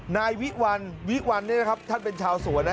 นายวิวัลวิวัลเนี่ยนะครับท่านเป็นชาวสวนนะ